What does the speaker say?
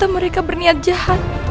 mereka berniat jahat